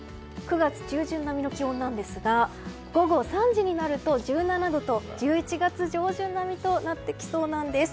９月中旬並みの気温なんですが午後３時になると１７度と１１月上旬並みとなってきそうなんです。